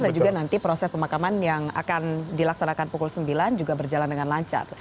dan juga nanti proses pemakaman yang akan dilaksanakan pukul sembilan juga berjalan dengan lancar